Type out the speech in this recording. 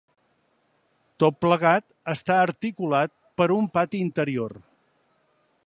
Tot plegat està articulat per un pati interior.